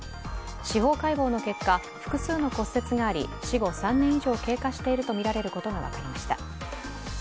司法解剖の結果、複数の骨折があり死後３年以上経過しているとみられることが分かりました。